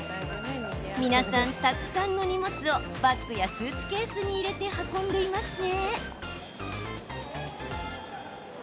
皆さん、たくさんの荷物をバッグやスーツケースに入れて運んでいますね。